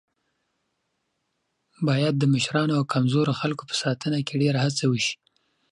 باید د مشرانو او کمزورو خلکو په ساتنه کې ډېره هڅه وشي.